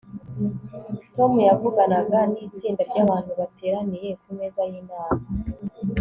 tom yavuganaga nitsinda ryabantu bateraniye kumeza yinama